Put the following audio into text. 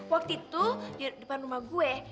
waktu itu di depan rumah gue